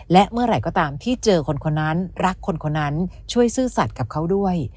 และเมื่อไหร่ก็ตามที่เจอคนคนนั้นรักคนคนนั้นช่วยซื่อสัตว์กับเขาด้วย